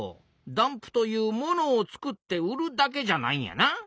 ダンプというものをつくって売るだけじゃないんやな。